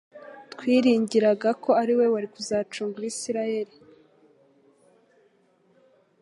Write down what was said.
«Twiringiraga ko ari we wari kuzacungura Isiraeli.»